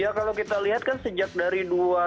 ya kalau kita lihat kan sejak dari dua ribu enam belas